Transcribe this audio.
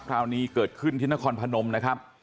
คราวนี้เกิดขึ้นที่นครพนมนะครับ